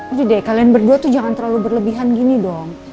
udah deh kalian berdua tuh jangan terlalu berlebihan gini dong